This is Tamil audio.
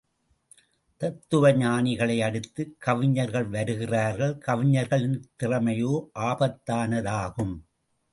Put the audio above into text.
தத்துவஞானிகளை அடுத்துக் கவிஞர்கள் வருகிறார்கள், கவிஞர்களின் திறமையோ ஆபத்தானதாகும்.